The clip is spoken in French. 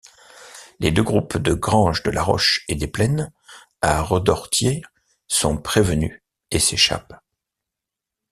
Les deux groupes de Granges-de-la-Roche et des Plaines, à Redortiers, sont prévenus et s’échappent.